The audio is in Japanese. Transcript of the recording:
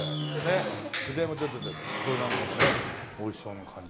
これなんかもね美味しそうな感じ。